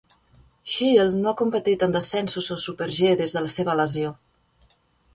Schild no ha competit en descensos o super-G des de la seva lesió.